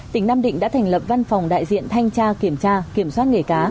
tỉnh nam định đã thành lập văn phòng đại diện thanh tra kiểm tra kiểm soát nghề cá